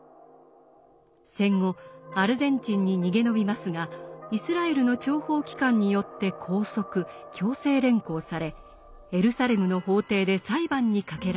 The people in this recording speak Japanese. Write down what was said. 戦後アルゼンチンに逃げ延びますがイスラエルの諜報機関によって拘束・強制連行されエルサレムの法廷で裁判にかけられます。